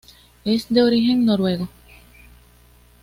Es de origen noruego.